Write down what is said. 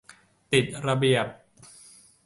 ติดระเบียบ